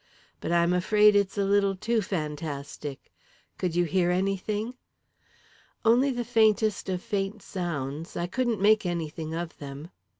But I'm afraid it's a little too fantastic. Could you hear anything?" "Only the faintest of faint sounds. I couldn't make anything of them."